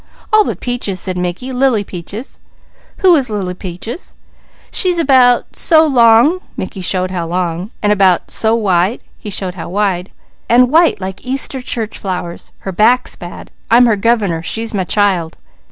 "All but Peaches," said Mickey. "Lily Peaches." "Who is Lily Peaches?" "She's about so long" Mickey showed how long "and about so wide" he showed how wide "and white like Easter church flowers. Her back's bad. I'm her governor; she's my child."